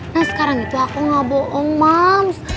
nah sekarang itu aku tidak bohong mams